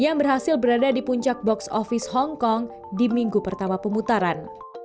yang berhasil berada di puncak box office hongkong di minggu pertama pemutaran